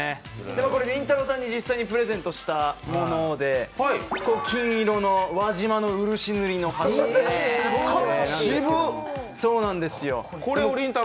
これ、りんたろーさんに実際にプレゼントしたもので金色の輪島の漆塗りのお箸なんです。